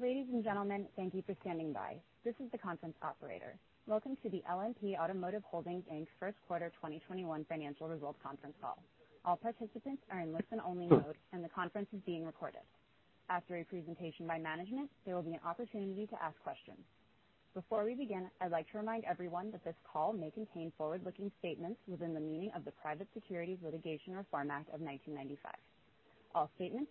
Ladies and gentlemen, thank you for standing by. This is the conference operator. Welcome to the LMP Automotive Holdings, Inc.'s first quarter 2021 financial results conference call. All participants are in listen only mode, and the conference is being recorded. After a presentation by management, there will be an opportunity to ask questions. Before we begin, I'd like to remind everyone that this call may contain forward-looking statements within the meaning of the Private Securities Litigation Reform Act of 1995. All statements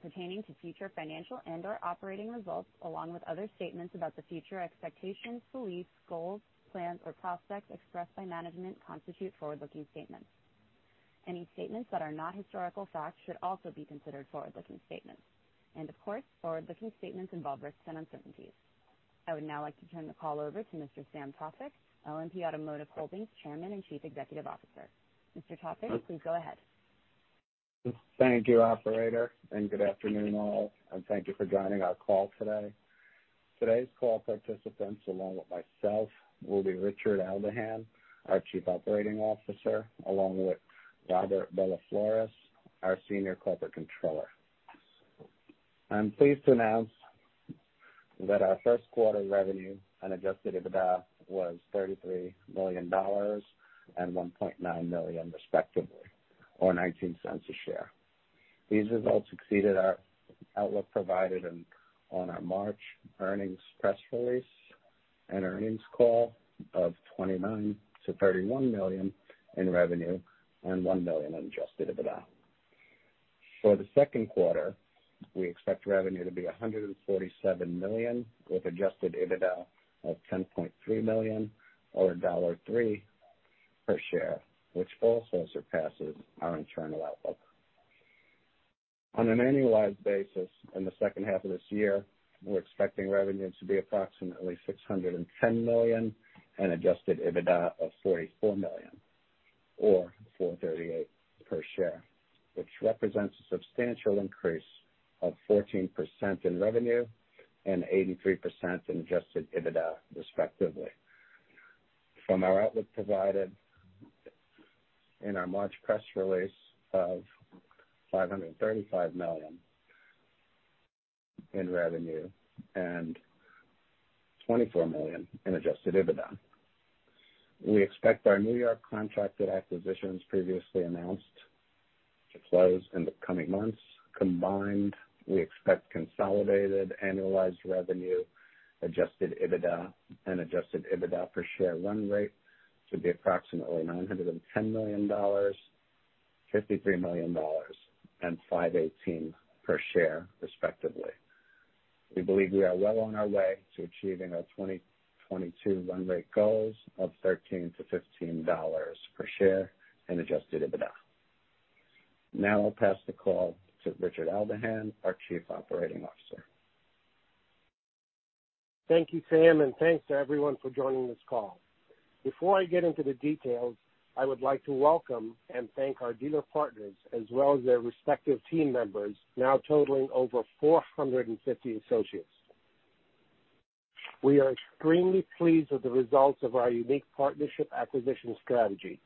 pertaining to future financial and/or operating results, along with other statements about the future expectations, beliefs, goals, plans, or prospects expressed by management constitute forward-looking statements. Any statements that are not historical facts should also be considered forward-looking statements. Of course, forward-looking statements involve risks and uncertainties. I would now like to turn the call over to Mr. Sam Tawfik, LMP Automotive Holdings Chairman and Chief Executive Officer. Mr. Tawfik, you go ahead. Thank you, operator, good afternoon all, and thank you for joining our call today. Today's call participants, along with myself, will be Richard Aldahan, our Chief Operating Officer, along with Robert Bellaflores, our Senior Corporate Controller. I'm pleased to announce that our first quarter revenue and adjusted EBITDA was $33 million and $1.9 million respectively, or $0.19 a share. These results exceeded our outlook provided on our March earnings press release and earnings call of $29 million-$31 million in revenue and $1 million in adjusted EBITDA. For the second quarter, we expect revenue to be $147 million with adjusted EBITDA of $10.3 million or $1.03 per share, which also surpasses our internal outlook. On an annualized basis in the second half of this year, we're expecting revenue to be approximately $610 million and adjusted EBITDA of $44 million or $4.38 per share, which represents a substantial increase of 14% in revenue and 83% in adjusted EBITDA respectively from our outlook provided in our March press release of $535 million in revenue and $24 million in adjusted EBITDA. We expect our New York contracted acquisitions previously announced to close in the coming months. Combined, we expect consolidated annualized revenue, adjusted EBITDA, and adjusted EBITDA per share run rate to be approximately $910 million, $53 million and $5.18 per share respectively. We believe we are well on our way to achieving our 2022 run rate goals of $13 to $15 per share and adjusted EBITDA. Now I'll pass the call to Richard Aldahan, our Chief Operating Officer. Thank you, Sam, and thanks to everyone for joining this call. Before I get into the details, I would like to welcome and thank our dealer partners as well as their respective team members, now totaling over 450 associates. We are extremely pleased with the results of our unique partnership acquisition strategy.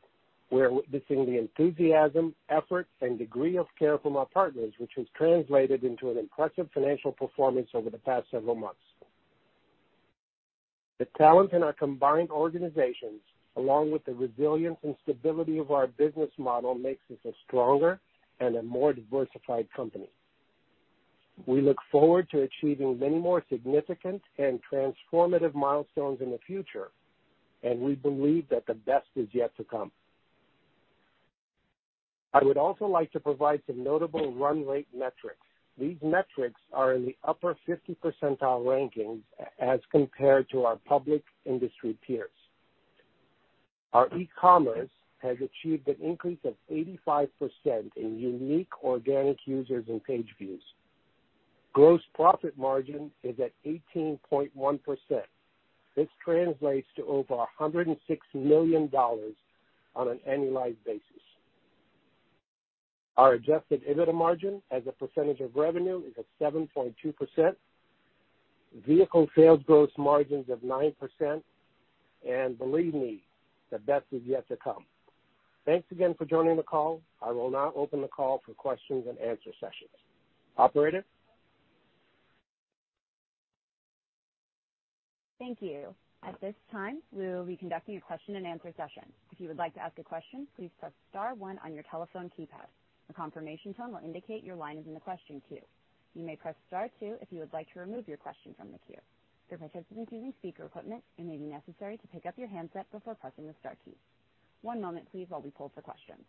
We are witnessing the enthusiasm, effort, and degree of care from our partners, which has translated into an impressive financial performance over the past several months. The talent in our combined organizations, along with the resilience and stability of our business model, makes us a stronger and a more diversified company. We look forward to achieving many more significant and transformative milestones in the future, and we believe that the best is yet to come. I would also like to provide some notable run rate metrics. These metrics are in the upper 50 percentile ranking as compared to our public industry peers. Our e-commerce has achieved an increase of 85% in unique organic users and page views. Gross profit margin is at 18.1%. This translates to over $160 million on an annualized basis. Our adjusted EBITDA margin as a percentage of revenue is at 7.2%. Vehicle sales gross margin is at 9%. Believe me, the best is yet to come. Thanks again for joining the call. I will now open the call for questions and answer sessions. Operator? Thank you. At this time, we will be conducting a question and answer session. If you would like to ask a question, please press star one on your telephone keypad. A confirmation tone will indicate your line is in the question queue. You may press star two if you would like to remove your question from the queue. For participants using speaker equipment, it may be necessary to pick up your handset before pressing the star keys. One moment please while we pull for questions.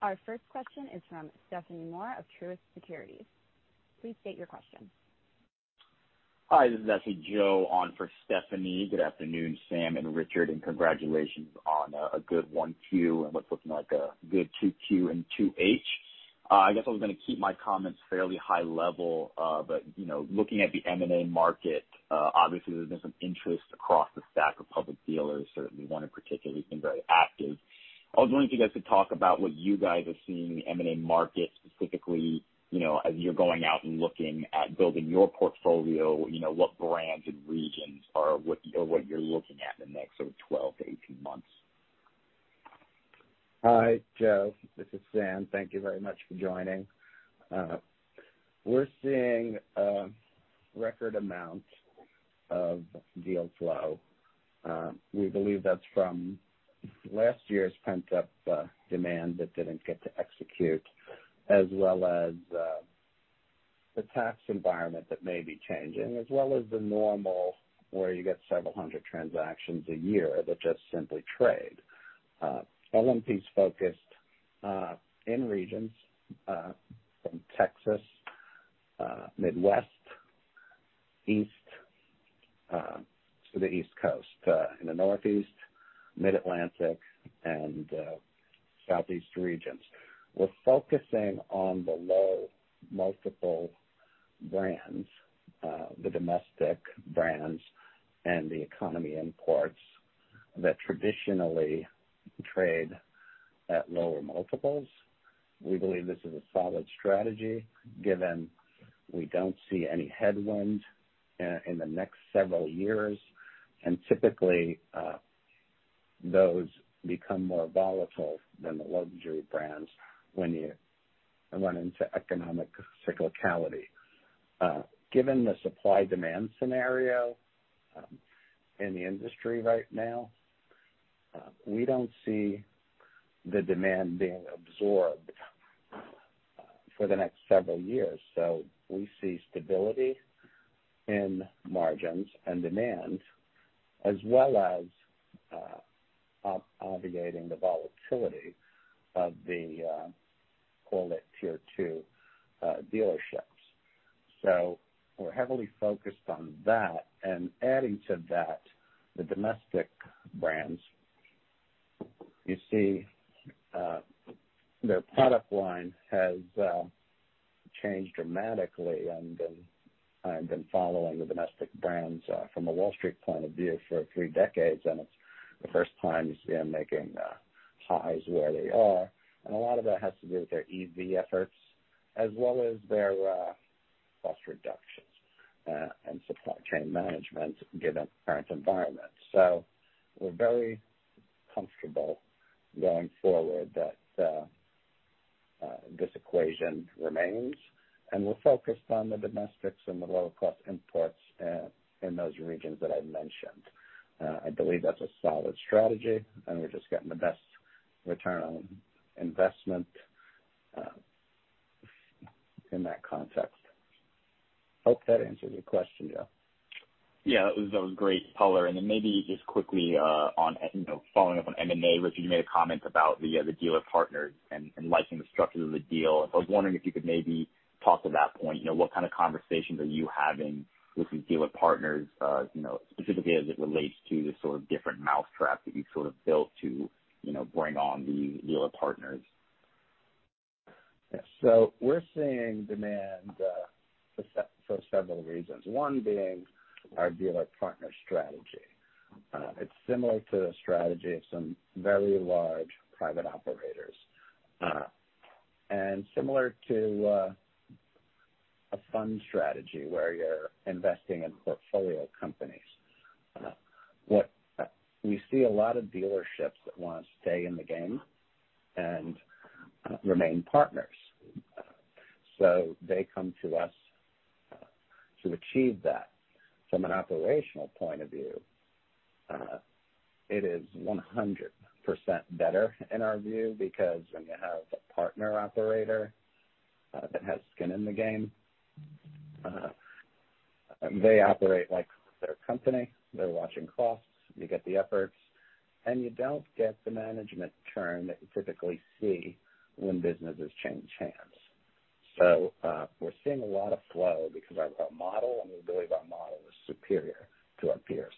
Our first question is from Stephanie Moore of Truist Securities. Please state your question. Hi, this is Jesse Joe on for Stephanie. Good afternoon, Sam and Richard, congratulations on a good Q1 and what's looking like a good Q2 and 2H. I guess I'm going to keep my comments fairly high level. Looking at the M&A market, obviously there's been some interest across the stack of public dealers, certainly one in particular has been very active. I was wondering if you guys could talk about what you guys are seeing in the M&A market specifically, as you're going out and looking at building your portfolio, what brands and regions are what you're looking at in the next 12-18 months? Hi, Jesse Joe, this is Sam. Thank you very much for joining. We're seeing record amounts of deal flow. We believe that's from last year's pent-up demand that didn't get to execute, as well as the tax environment that may be changing, as well as the normal, where you get several hundred transactions a year that just simply trade. LMP's focused in regions from Texas, Midwest, East to the East Coast, in the Northeast, Mid-Atlantic, and Southeast regions. We're focusing on the low multiple brands, the domestic brands, and the economy imports that traditionally trade at lower multiples. We believe this is a solid strategy given we don't see any headwinds in the next several years, and typically, those become more volatile than the luxury brands when you run into economic cyclicality. Given the supply-demand scenario in the industry right now, we don't see the demand being absorbed for the next several years. We see stability in margins and demand, as well as obviating the volatility of the, call it Tier 2 dealerships. We're heavily focused on that and adding to that, the domestic brands. You see their product line has changed dramatically. I've been following the domestic brands from a Wall Street point of view for three decades, and it's the first time you see them making highs where they are. A lot of that has to do with their EV efforts as well as their cost reductions and supply chain management given the current environment. We're very comfortable going forward that this equation remains, and we're focused on the domestics and the lower cost imports in those regions that I mentioned. I believe that's a solid strategy, and we're just getting the best ROI in that context. Hope that answers your question, Joe. Yeah, that was great color. Maybe just quickly following up on M&A, Richard, you made a comment about the dealer partners and liking the structure of the deal. I was wondering if you could maybe talk to that point. What kind of conversations are you having with your dealer partners specifically as it relates to the sort of different mousetraps that you've sort of built to bring on the dealer partners? We're seeing demand for several reasons, one being our dealer partner strategy. It's similar to the strategy of some very large private operators, and similar to a fund strategy where you're investing in portfolio companies. We see a lot of dealerships that want to stay in the game and remain partners, so they come to us to achieve that. From an operational point of view, it is 100% better in our view because when you have a partner operator that has skin in the game, they operate like their company. They're watching costs, you get the efforts, and you don't get the management churn that you typically see when businesses change hands. We're seeing a lot of flow because of our model, and we believe our model is superior to our peers.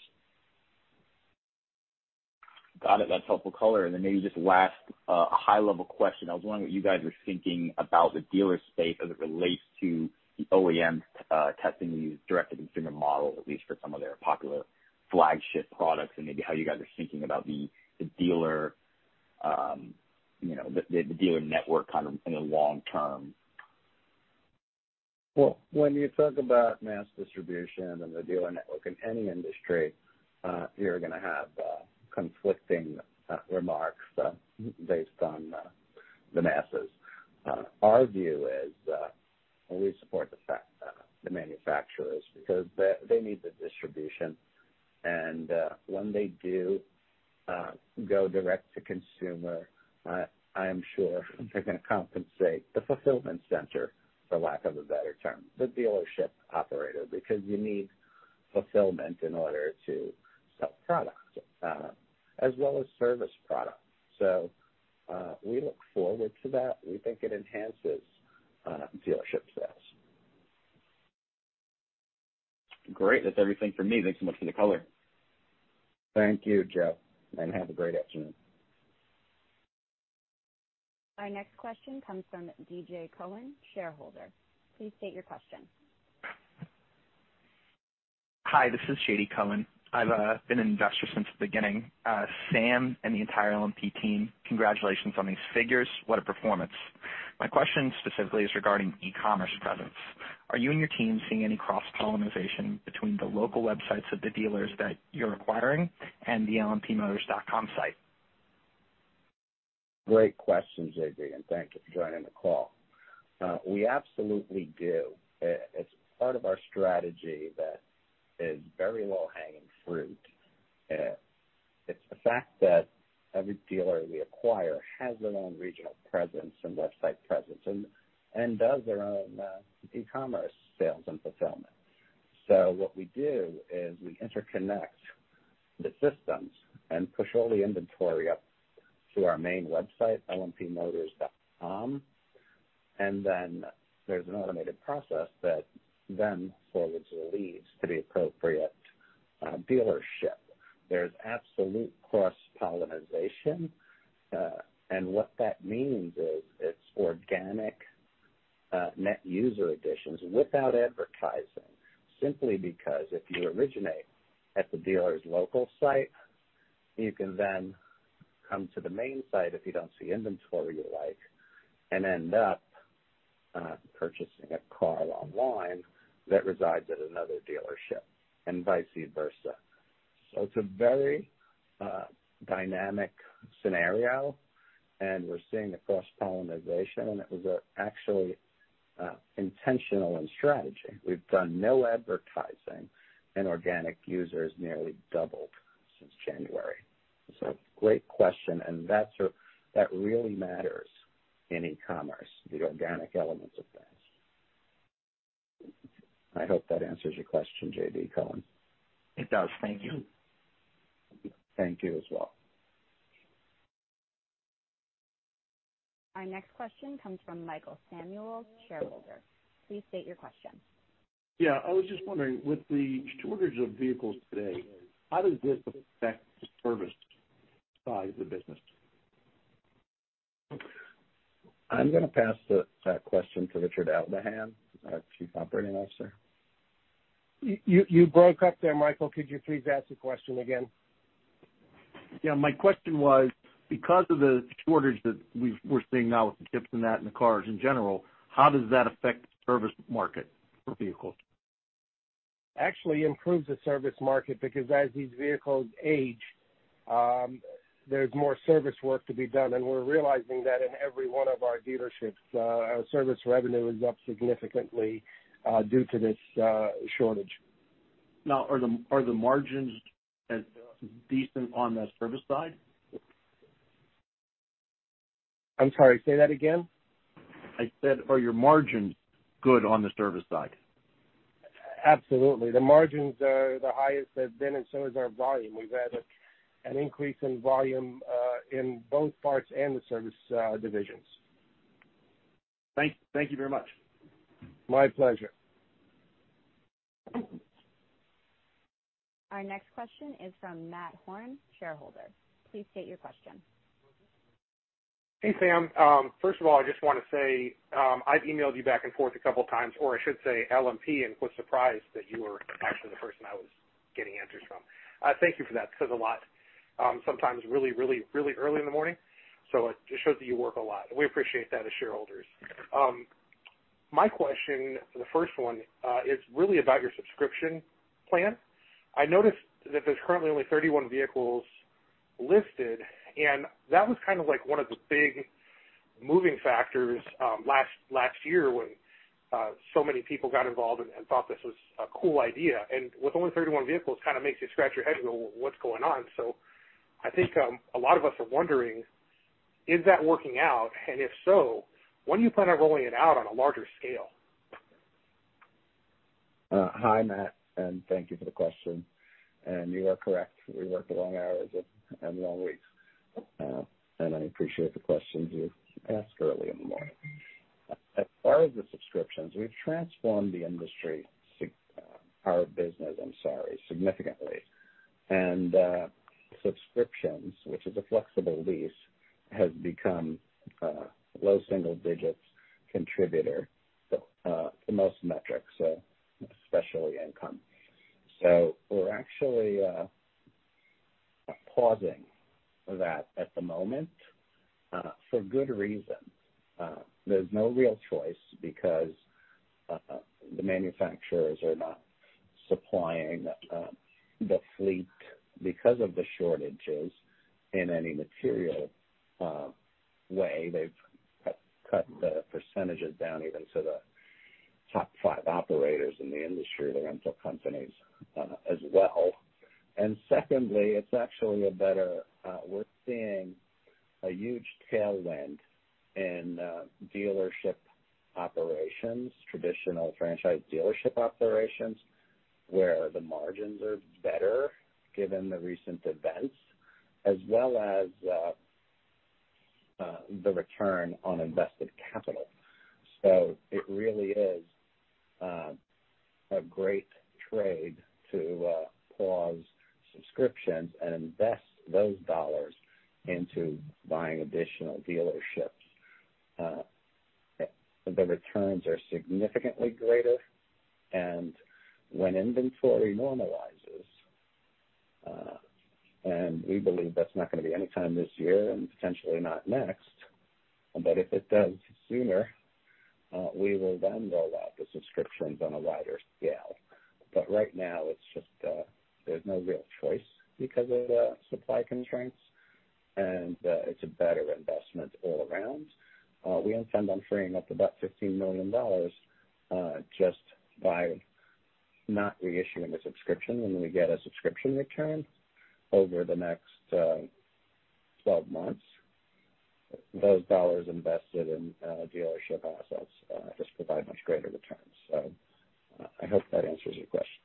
Got it. That's helpful color. Then maybe just last, a high-level question. I was wondering what you guys are thinking about the dealer state as it relates to the OEM testing the direct-to-consumer model, at least for some of their popular flagship products, and maybe how you guys are thinking about the dealer network kind of in the long term. Well, when you talk about mass distribution and the dealer network in any industry, you're going to have conflicting remarks based on the masses. Our view is, we support the manufacturers because they need the distribution, and when they do go direct-to-consumer, I am sure they're going to compensate the fulfillment center, for lack of a better term, the dealership operator, because you need fulfillment in order to sell product as well as service product. We look forward to that. We think it enhances dealership sales. Great. That's everything for me. Thanks so much for the color. Thank you, Joe, and have a great afternoon. Our next question comes from J.D. Cohen, shareholder. Please state your question. Hi, this is J.D. Cohen. I've been an investor since the beginning. Sam and the entire LMP Automotive Holdings team, congratulations on these figures. What a performance. My question specifically is regarding e-commerce presence. Are you and your team seeing any cross-pollinization between the local websites of the dealers that you're acquiring and the LMPmotors.com site? Great question, J.D., and thank you for joining the call. We absolutely do. It's part of our strategy that is very low-hanging fruit. It's the fact that every dealer we acquire has their own regional presence and website presence and does their own e-commerce sales and fulfillment. What we do is we interconnect the systems and push all the inventory up to our main website, LMPmotors.com, and then there's an automated process that then forwards the leads to the appropriate dealership. There's absolute cross-pollinization. What that means is it's organic net user additions without advertising, simply because if you originate at the dealer's local site, you can then come to the main site if you don't see inventory you like and end up purchasing a car online that resides at another dealership, and vice versa. It's a very dynamic scenario, and we're seeing the cross-pollinization, and it was actually intentional in strategy. We've done no advertising, and organic users nearly doubled since January. Great question, and that really matters in e-commerce, the organic elements of that. I hope that answers your question, J.D. Cohen. It does. Thank you. Thank you as well. Our next question comes from Michael Samuel, shareholder. Please state your question. Yeah, I was just wondering, with the shortage of vehicles today, how does this affect the service side of the business? I'm going to pass that question to Richard Aldahan, our Chief Operating Officer. You broke up there, Michael. Could you please ask the question again? Yeah, my question was, because of the shortage that we're seeing now with chips and that in cars in general, how does that affect the service market for vehicles? Actually, it improves the service market because as these vehicles age, there's more service work to be done. We're realizing that in every one of our dealerships, our service revenue is up significantly due to this shortage. Now, are the margins decent on the service side? I'm sorry, say that again. I said, are your margins good on the service side? Absolutely. The margins are the highest they've been. So is our volume. We've had an increase in volume in both parts and the service divisions. Thank you very much. My pleasure. Our next question is from Matt Horn, shareholder. Please state your question. Hey, Sam. First of all, I just want to say I've emailed you back and forth a couple of times, or I should say LMP, and was surprised that you were actually the person I was getting answers from. Thank you for that. It says a lot. Sometimes really early in the morning. It shows that you work a lot, and we appreciate that as shareholders. My question, the first one, is really about your subscription plan. I noticed that there's currently only 31 vehicles listed, and that was one of the big moving factors last year when so many people got involved and thought this was a cool idea. With only 31 vehicles, it kind of makes you scratch your head and go, what's going on? I think a lot of us are wondering, is that working out? If so, when do you plan on rolling it out on a larger scale? Hi, Matt, thank you for the question. You are correct. We work long hours and long weeks. I appreciate the questions you've asked early in the morning. As far as the subscriptions, we've transformed our business, I'm sorry, significantly. Subscriptions, which is a flexible lease, has become a low single digits contributor to most metrics, especially income. We're actually pausing that at the moment for good reason. There's no real choice because the manufacturers are not supplying the fleet because of the shortages in any material way. They've cut the percentages down even to the top five operators in the industry, the rental companies as well. Secondly, we're seeing a huge tailwind in dealership operations, traditional franchise dealership operations, where the margins are better given the recent events, as well as the return on invested capital. It really is a great trade to pause subscriptions and invest those dollars into buying additional dealerships. The returns are significantly greater, and when inventory normalizes. We believe that's not going to be anytime this year and potentially not next. If it does sooner, we will then roll out the subscriptions on a wider scale. Right now it's just, there's no real choice because of the supply constraints, and it's a better investment all around. We intend on freeing up about $15 million, just by not reissuing the subscription when we get a subscription return over the next 12 months. Those dollars invested in dealership assets just provide much greater returns. I hope that answers your question.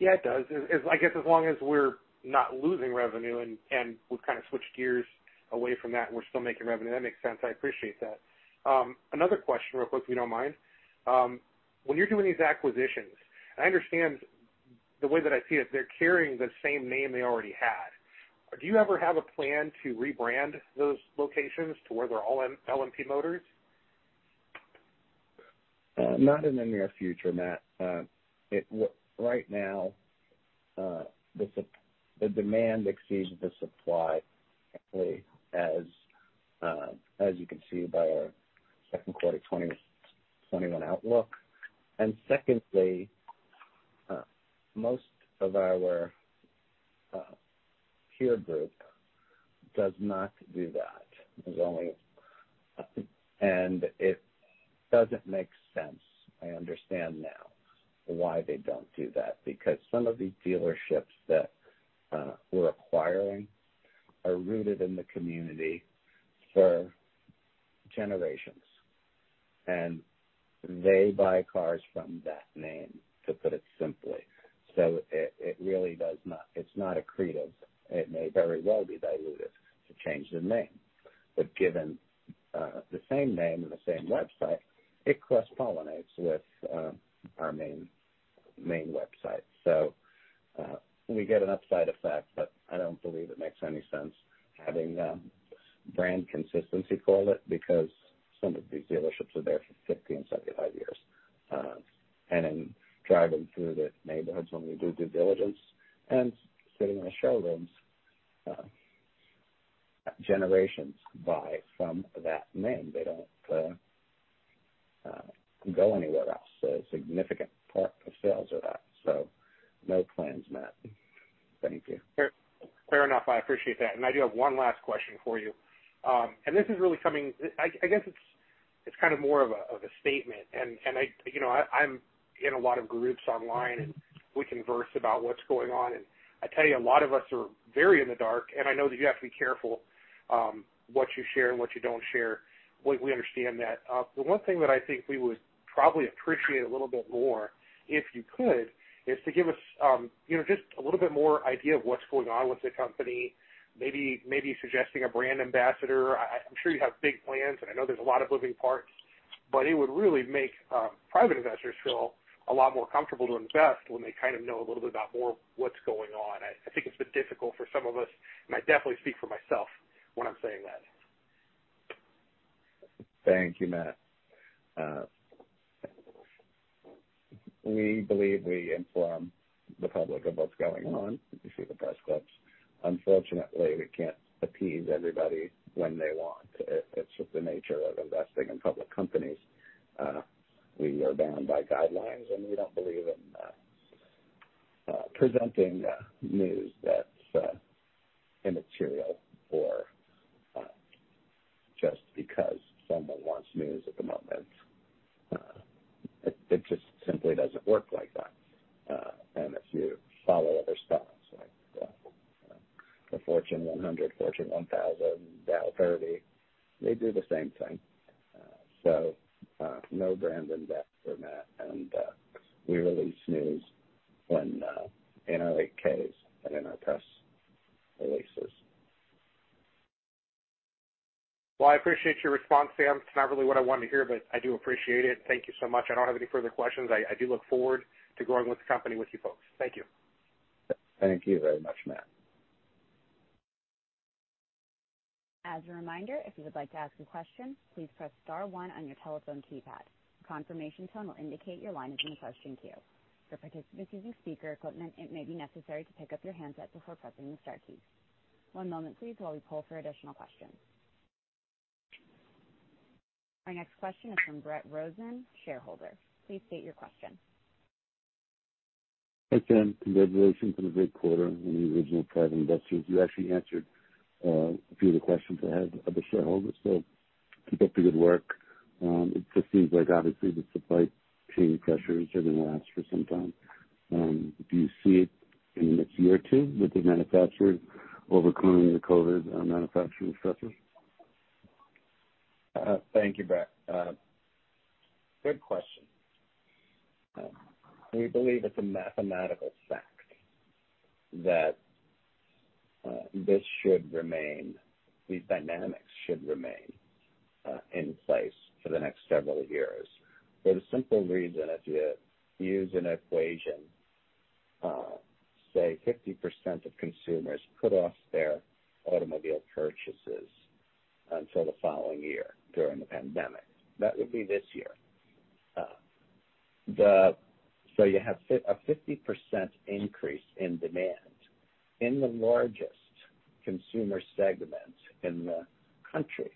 It does. I guess as long as we're not losing revenue and we've kind of switched gears away from that and we're still making revenue, that makes sense. I appreciate that. Another question real quick, if you don't mind. When you're doing these acquisitions, I understand the way that I see it, they're carrying the same name they already had. Do you ever have a plan to rebrand those locations to where they're all LMP Motors? Not in the near future, Matt. Right now, the demand exceeds the supply, actually, as you can see by our second quarter 2021 outlook. Secondly, most of our peer group does not do that. It doesn't make sense, I understand now, why they don't do that. Because some of these dealerships that we're acquiring are rooted in the community for generations, and they buy cars from that name, to put it simply. It's not accretive. It may very well be dilutive to change the name. Given the same name and the same website, it cross-pollinates with our main website. We get an upside effect, but I don't believe it makes any sense having brand consistency for it, because some of these dealerships are there for 50 and 75 years. In driving through the neighborhoods when we do due diligence and sitting in the showrooms, generations buy from that name. They don't go anywhere else. A significant part of sales are that. No plans, Matt. Thank you. Fair. Fair enough. I appreciate that. I do have one last question for you. I guess it's kind of more of a statement, and I'm in a lot of groups online, and we converse about what's going on, and I tell you, a lot of us are very in the dark, and I know that you have to be careful what you share and what you don't share. We understand that. The one thing that I think we would probably appreciate a little bit more, if you could, is to give us just a little bit more idea of what's going on with the company, maybe suggesting a brand ambassador. I'm sure you have big plans, and I know there's a lot of moving parts, but it would really make private investors feel a lot more comfortable to invest when they kind of know a little bit about more what's going on. I think it's been difficult for some of us, and I definitely speak for myself when I'm saying that. Thank you, Matt. We believe we inform the public of what's going on. You see the press clips. Unfortunately, we can't appease everybody when they want. It's just the nature of investing in public companies. We are bound by guidelines, and we don't believe in presenting news that's immaterial or just because someone wants news at the moment. It just simply doesn't work like that. If you follow other stocks like the Fortune 100, Fortune 1,000, Dow 30, they do the same thing. No brand ambassador, Matt, and we release news in our 8-Ks and in our press releases. Well, I appreciate your response, Sam. It's not really what I wanted to hear, but I do appreciate it. Thank you so much. I don't have any further questions. I do look forward to growing with the company, with you folks. Thank you. Thank you very much, Matt. As a reminder, if you would like to ask a question, please press star one on your telephone keypad. A confirmation tone will indicate your line is in the question queue. For participants using speaker equipment, it may be necessary to pick up your handset before pressing the star key. One moment, please, while we poll for additional questions. Our next question is from Brett Rosen, shareholder. Please state your question. Hi, Sam. Congratulations on a great quarter. I'm one of the original private investors. You actually answered a few of the questions I had of the shareholders, so keep up the good work. It just seems like obviously the supply chain pressures are going to last for some time. Do you see it in the next one year or two with the manufacturers overcoming the COVID manufacturing pressures? Thank you, Brett. Good question. We believe it's a mathematical fact that these dynamics should remain in place for the next several years. For the simple reason, if you use an equation, say 50% of consumers put off their automobile purchases until the following year during the pandemic. That would be this year. So you have a 50% increase in demand in the largest consumer segment in the country.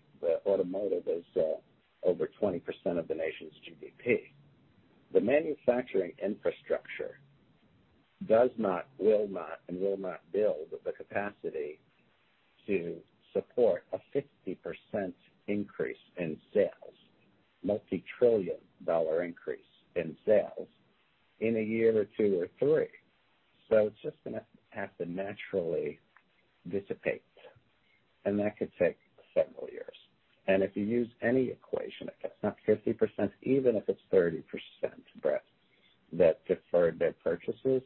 Automotive is over 20% of the nation's GDP. The manufacturing infrastructure does not, will not, and will not build the capacity to support a 50% increase in sales, multi-trillion dollar increase in sales in a year or two or three. It's just going to have to naturally dissipate, and that could take several years. If you use any equation, if it's not 50%, even if it's 30% Brett, that deferred their purchases,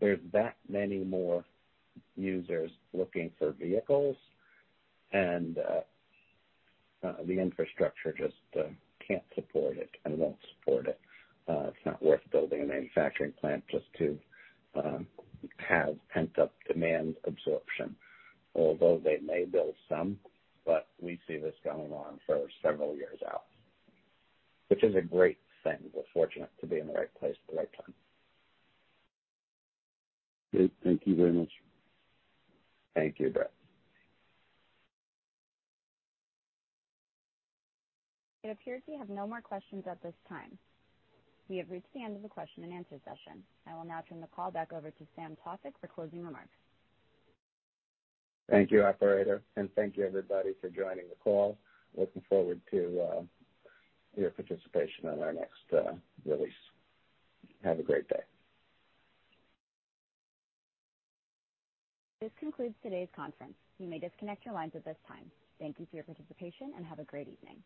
there's that many more users looking for vehicles, and the infrastructure just can't support it and won't support it. It's not worth building a manufacturing plant just to have pent-up demand absorption, although they may build some, but we see this going on for several years out. Which is a great thing. We're fortunate to be in the right place at the right time. Great. Thank you very much. Thank you, Brett. It appears we have no more questions at this time. We have reached the end of the question and answer session. I will now turn the call back over to Sam Tawfik for closing remarks. Thank you, operator, and thank you, everybody, for joining the call. Looking forward to your participation on our next release. Have a great day. This concludes today's conference. You may disconnect your lines at this time. Thank you for your participation and have a great evening.